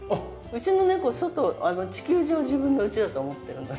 うちの猫外地球中を自分の家だと思ってるので。